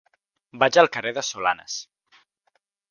Vaig al carrer de Solanes.